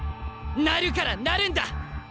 なるからなるんだ！